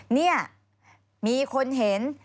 นี่มีคนเห็น